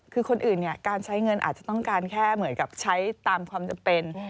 คือคนอื่นเนี่ยการใช้เงินอาจจะต้องการแค่เหมือนกับใช้ตามความจำเป็น